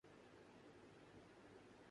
اس اندیشے سے ایک بنیادی مسئلہ جنم لے رہاہے۔